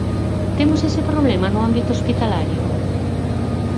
¿Temos ese problema no ámbito hospitalario?